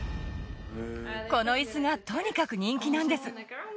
この椅子がとにかく人気なんです。